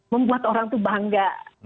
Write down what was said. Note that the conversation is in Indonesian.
membuat orang tuh bangga